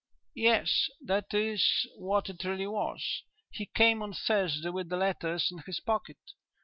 "Yes, that is what it really was. He came on Thursday with the letters in his pocket.